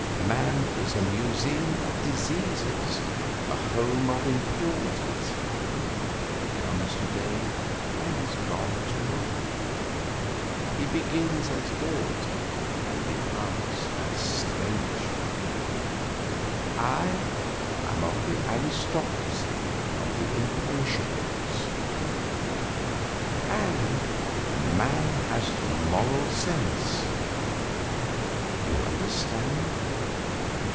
Man is a museum of diseases, a home of impurities; he comes to day and is gone to morrow; he begins as dirt and departs as stench; I am of the aristocracy of the Imperishables. And man has the Moral Sense. You understand?